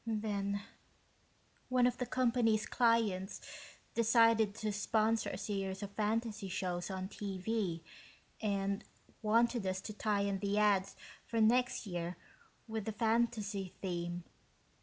Then one of the company's clients decided to sponsor a series of fantasy shows on TV and wanted us to tie in the ads for next year with the fantasy theme.